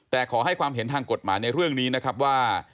แต่ขอให้ความเห็นทางกฎหมายในเรื่องนี้นะครับว่า